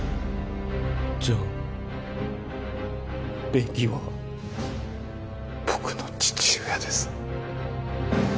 じゃあベキは僕の父親です